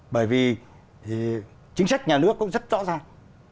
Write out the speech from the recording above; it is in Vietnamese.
bởi vì chính sách nhà nước cũng rất rõ ràng